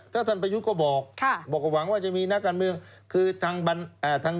แล้วก็หวังว่าจะมีนักการเมืองที่ดีมาบริหารตอนนี้